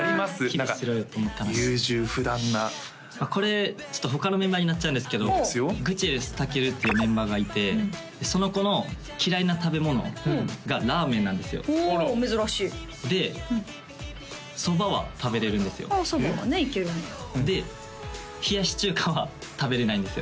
何か優柔不断なこれちょっと他のメンバーになっちゃうんですけどグチェレスタケルっていうメンバーがいてその子の嫌いな食べ物がラーメンなんですよおお珍しいでそばは食べれるんですよああそばはねいけるんだ冷やし中華は食べれないんですよ